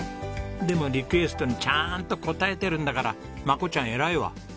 でもリクエストにちゃーんと応えてるんだからマコちゃん偉いわ。